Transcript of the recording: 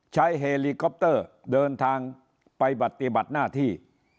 เฮลิคอปเตอร์เดินทางไปปฏิบัติหน้าที่